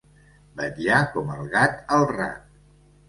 Vetllar com el gat al rat.